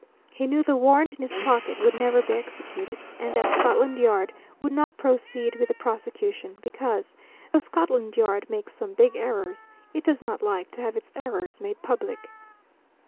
He knew the warrant in his pocket would never be executed, and that Scotland Yard would not proceed with the prosecution, because, though Scotland Yard makes some big errors, it does not like to have its errors made public.